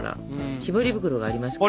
しぼり袋がありますから。